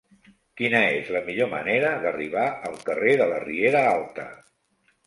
Quina és la millor manera d'arribar al carrer de la Riera Alta?